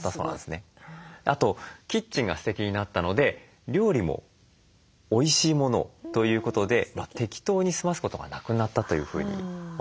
あとキッチンがステキになったので料理もおいしいものをということで適当に済ますことがなくなったというふうにおっしゃっていました。